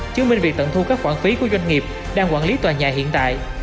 chứng minh việc tận thu các khoản phí của doanh nghiệp đang quản lý tòa nhà hiện tại